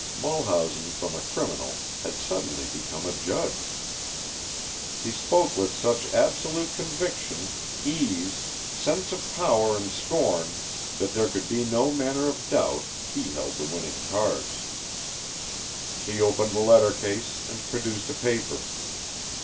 Mulhausen from a criminal had suddenly become a judge. He spoke with such absolute conviction, ease, sense of power and scorn, that there could be no manner of doubt he held the winning cards. He opened the letter case and produced a paper.